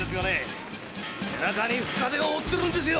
背中に深手を負ってるんですよ。